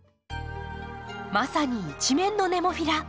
まさに一面のネモフィラ。